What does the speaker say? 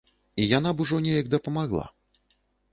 І яна б ужо неяк дапамагла.